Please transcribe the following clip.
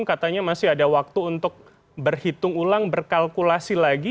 katanya masih ada waktu untuk berhitung ulang berkalkulasi lagi